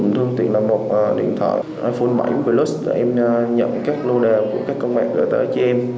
thường tiện là một điện thoại iphone bảy plus em nhận các lô đề của các con bạn gửi tới cho em